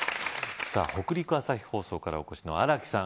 さぁ北陸朝日放送からお越しの荒木さん